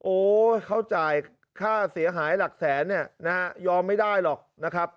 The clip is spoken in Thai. โอ้เขาจ่ายค่าเสียหายหลักแสนเนี่ยนะฮะยอมไม่ได้หรอกนะครับ